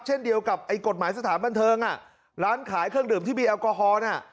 เช่นเดียวกับไอ้กฎหมายสถานบันเทิงอ่ะร้านขายเครื่องดื่มที่มีแอลกอฮอลน่ะ